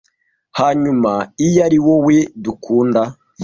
hanyuma iyo ariwowe dukunda